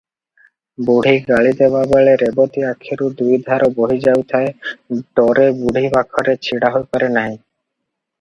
ବୁଢ଼ୀ ଗାଳି ଦେବାବେଳେ ରେବତୀ ଆଖିରୁ ଦୁଇଧାରା ବହି ଯାଉଥାଏ, ଡରେ ବୁଢ଼ୀ ପାଖରେ ଛିଡ଼ା ହୋଇପାରେ ନାହିଁ।